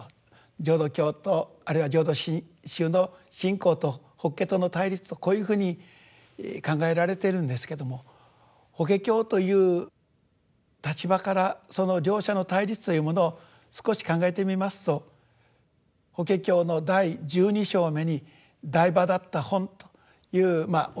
浄土教とあるいは浄土真宗の信仰と法華との対立とこういうふうに考えられてるんですけども法華経という立場からその両者の対立というものを少し考えてみますと法華経の第十二章目に提婆達多品というまあお経があるわけで。